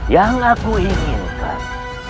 yang aku inginkan